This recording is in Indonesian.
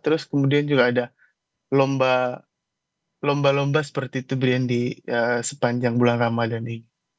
terus kemudian juga ada lomba lomba seperti itu brand di sepanjang bulan ramadhan ini